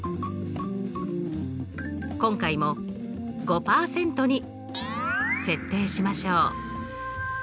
今回も５％に設定しましょう。